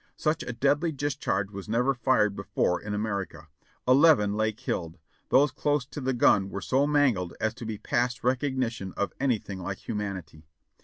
Such a deadly discharge was never fired before in America. Eleven lay killed. Those close to the gun were so mangled as to be past recogni tion of anything like humanity.